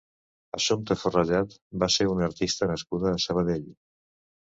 Assumpta Forrellad va ser una artista nascuda a Sabadell.